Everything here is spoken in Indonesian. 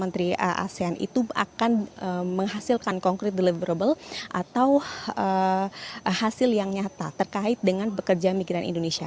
menteri asean itu akan menghasilkan concrete deliverable atau hasil yang nyata terkait dengan pekerja migran indonesia